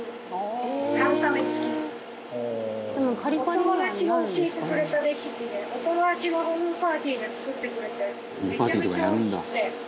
お友達が教えてくれたレシピでお友達がホームパーティーで作ってくれてめちゃめちゃおいしくて。